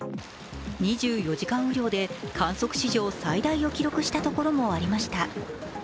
２４時間雨量で観測史上最大を記録したところもありました。